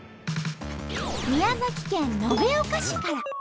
宮崎県延岡市から。